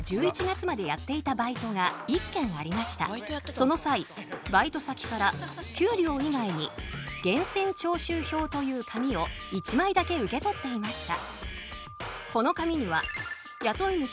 その際バイト先から給料以外に源泉徴収票という紙を１枚だけ受け取っていました。